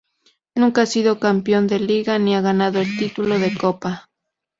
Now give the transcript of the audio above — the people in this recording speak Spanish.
Nunca ha sido campeón de Liga ni ha ganado el título de Copa.